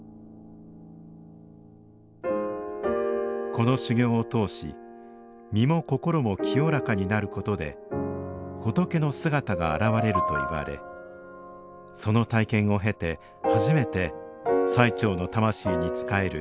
この修行を通し身も心も清らかになることで仏の姿が現れるといわれその体験を経て初めて最澄の魂に仕える